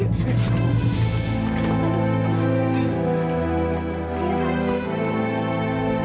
sampai jumpa lagi